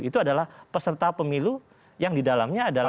itu adalah peserta pemilu yang di dalamnya adalah